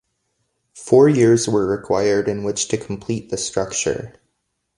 Four years were required in which to complete the structure.